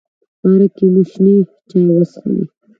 پارک کې مو شنې چای وڅښلې.